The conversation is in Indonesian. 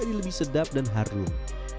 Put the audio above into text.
jadi lebih sedap dan harum